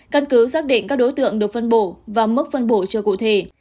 căn cứ xác định các đối tượng được phân bổ và mức phân bổ chưa cụ thể